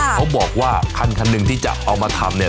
เขาบอกว่าคันหนึ่งที่จะเอามาทำเนี่ย